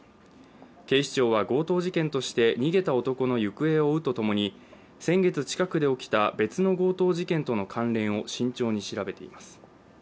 警視庁は強盗事件として逃げた男の行方を追うとともに、先月、近くで起きた別の強盗事件との関連を慎重に調べています。